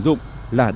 là đất công cộng